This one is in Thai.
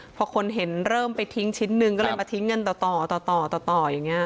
พอคนเห็นเริ่มไปทิ้งชิ้นหนึ่งก็เลยมาทิ้งกันต่อต่ออย่างนี้